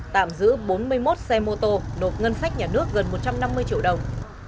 tạm giữ bốn mươi một xe mô tô nộp ngân sách nhà nước gần một trăm năm mươi triệu đồng